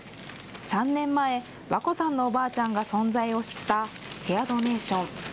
３年前、和恋さんのおばあちゃんが存在を知ったヘアドネーション。